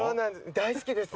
大好きです。